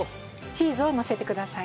チーズをのせてください。